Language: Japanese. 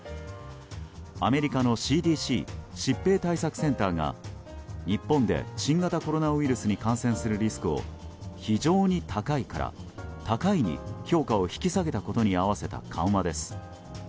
アメリカのＣＤＣ・疾病対策センターが日本で新型コロナウイルスに感染するリスクを非常に高いから高いに評価を引き下げたことに合わせた緩和です。